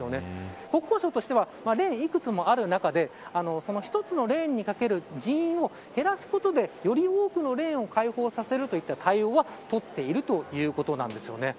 国交省としてはレーンがいくつもある中で１つのレーンにかける人員を減らすことでより多くのレーンを開放させるといった対応は取っているということなんです。